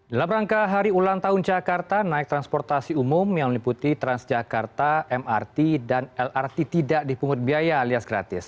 dalam rangka hari ulang tahun jakarta naik transportasi umum yang meliputi transjakarta mrt dan lrt tidak dipungut biaya alias gratis